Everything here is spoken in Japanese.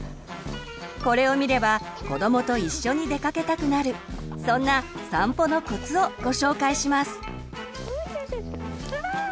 これを見れば子どもと一緒に出かけたくなるそんな散歩のコツをご紹介します。